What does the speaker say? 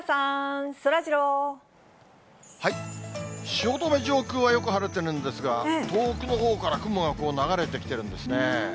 汐留上空はよく晴れているんですが、遠くのほうから雲が流れてきてるんですね。